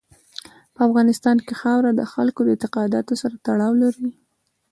په افغانستان کې خاوره د خلکو د اعتقاداتو سره تړاو لري.